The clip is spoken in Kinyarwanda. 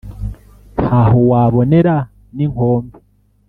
Ntaho wabonera ninkombe,